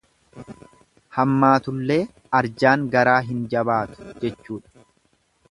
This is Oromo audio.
Hammaatullee arjaan garaa hin jabaatu jechuudha.